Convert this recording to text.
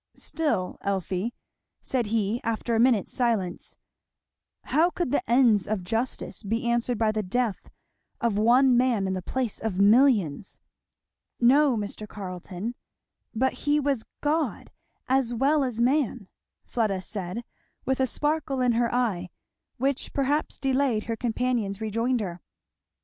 "Still, Elfie," said he after a minute's silence, "how could the ends of justice be answered by the death of one man in the place of millions?" "No, Mr. Carleton, but he was God as well as man," Fleda said, with a sparkle in her eye which perhaps delayed her companion's rejoinder.